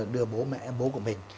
đưa bố mẹ bố của mình